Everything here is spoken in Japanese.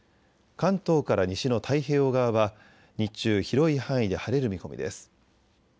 関東から西の太平洋側は日中、広い範囲で晴れる見込みです。